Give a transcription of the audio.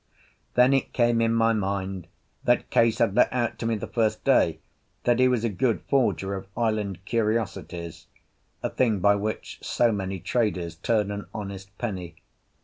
Then it came in my mind that Case had let out to me the first day that he was a good forger of island curiosities, a thing by which so many traders turn an honest penny.